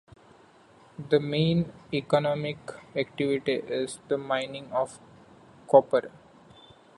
The main economic activity is the mining of copper.